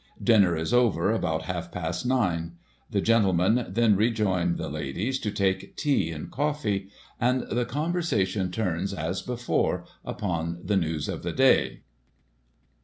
Dinner is over about half past nine. The gentlemen then rejoin the ladies to take tea and coffee, and the conversation turns, as before, upon the news of the day."